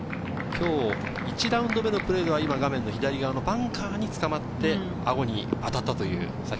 今日、１ラウンド目のプレーは壁の左側のバンカーにつかまってアゴに当たったという。